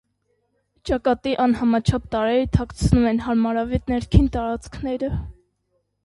Ճակատի անհամաչափ տարրերը թաքցնում են հարմարավետ ներքին տարածքները։